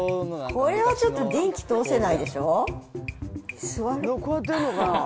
これはちょっと電気通せないでしょ。